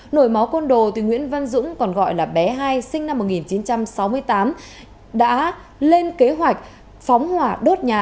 nổi máu côn đồ nguyễn văn dũng còn gọi là bé hai sinh năm một nghìn chín trăm sáu mươi tám đã lên kế hoạch phóng hỏa đốt nhà